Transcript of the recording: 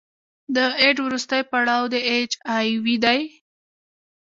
د ایډز وروستی پړاو د اچ آی وي دی.